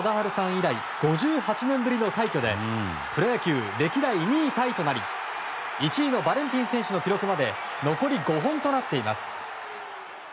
以来５８年ぶりの快挙でプロ野球歴代２位タイとなり１位のバレンティン選手の記録まで残り５本となっています。